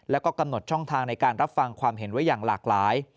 แล้วก็กำหนดช่องทางในการรับฟังความเห็นไว้อย่างหลากหลาย